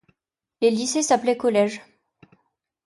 Les lycées s’appelaient collèges.